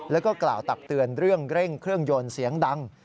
แล้วก็กล่าวตักเตือนเรื่องเร่งเครื่องยนต์เสียงดัง